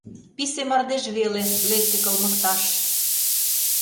Писе мардеж веле Лекте кылмыкташ.